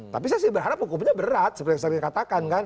tapi saya sih berharap hukumnya berat seperti saya katakan